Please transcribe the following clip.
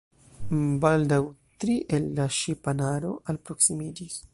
Baldaŭ tri el la ŝipanaro alproksimiĝis.